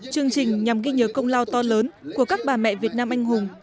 chương trình nhằm ghi nhớ công lao to lớn của các bà mẹ việt nam anh hùng